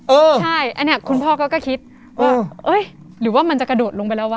เออใช่อันนี้คุณพ่อก็คิดว่าเอ้ยหรือว่ามันจะกระโดดลงไปแล้ววะ